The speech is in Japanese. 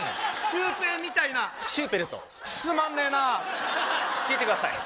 シュウペイみたいなシューペルトつまんねえな聞いてください